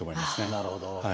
なるほど。